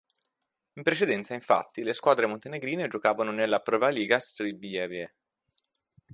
In precedenza, infatti, le squadre montenegrine giocavano nella Prva Liga Srbija.